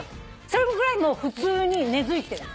それぐらい普通に根付いてる。